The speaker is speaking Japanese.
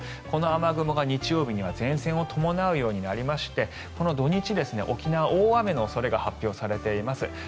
この雨雲が日曜日には前線を伴うようになりましてこの土日、沖縄は大雨の予想が発表されています。